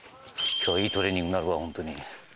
今日はいいトレーニングになるわ本当に。